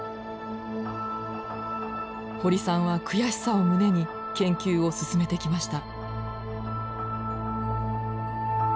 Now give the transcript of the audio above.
堀さんは悔しさを胸に研究を進めてきました。